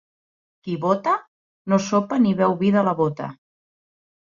Qui bota, no sopa ni beu vi de la bota.